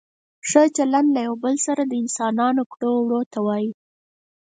ښه چلند له یو بل سره د انسانانو ښو کړو وړو ته وايي.